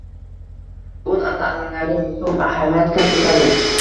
Bu an’analari muhim ahamiyat kasb etadi.